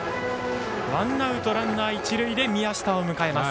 ワンアウトランナー、一塁で宮下を迎えます。